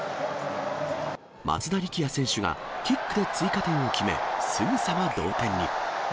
松田力也選手がキックで追加点を決め、すぐさま同点に。